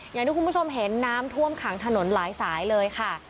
อย่างที่คุณผู้ชมเห็นน้ำท่วมขังถนนหลายสายเลยค่ะ